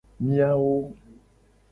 Miawo.